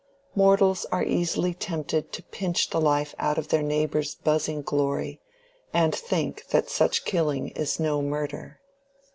Mortals are easily tempted to pinch the life out of their neighbor's buzzing glory, and think that such killing is no murder.